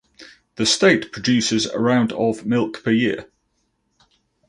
The state produces around of milk per year.